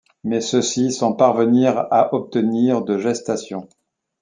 Mais ceci sans parvenir à obtenir de gestation.